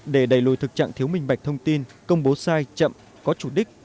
để đẩy lùi thực trạng thiếu minh bạch thông tin công bố sai chậm có chủ đích